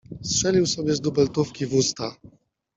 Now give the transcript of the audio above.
Strzelił sobie z dubeltówki w usta.